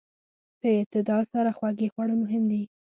په اعتدال سره خوږې خوړل مهم دي.